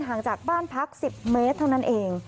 ห่างจากบ้านพัก๑๐เมตรเท่านั้นเอง